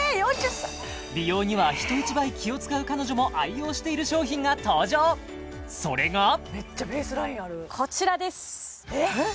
美容には人一倍気を使う彼女も愛用している商品が登場それがこちらですえっ？